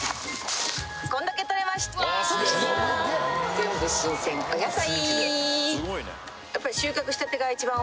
全部新鮮お野菜！